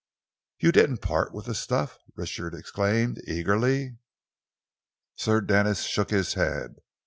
"You didn't part with the stuff?" Richard exclaimed eagerly. Sir Denis shook his head.